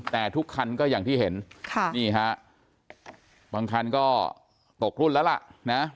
แต่ทุกคันก็อย่างที่เห็นค่ะนี่ฮะบางคันก็ตกรุ่นแล้วล่ะนะ